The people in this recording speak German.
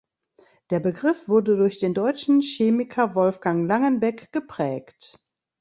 Der Begriff wurde durch den deutschen Chemiker Wolfgang Langenbeck geprägt.